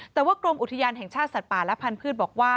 แต่ว่ากรมอุทยานแห่งชาติสัตว์ป่าและพันธุ์บอกว่า